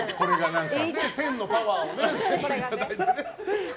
天のパワーをいただいてね。